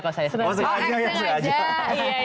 oh yang itu aja